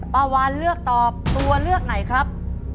วานเลือกตอบตัวเลือกไหนครับ